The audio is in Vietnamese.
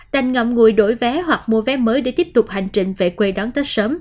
đành ngậm ngùi đổi vé hoặc mua vé mới để tiếp tục hành trình về quê đón tết sớm